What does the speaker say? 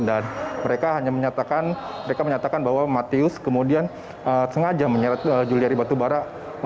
dan mereka hanya menyatakan bahwa matius kemudian sengaja menyeret juliari batubara